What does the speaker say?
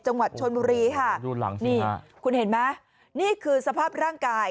จังหวัดชนบุรีค่ะนี่คุณเห็นไหมนี่คือสภาพร่างกาย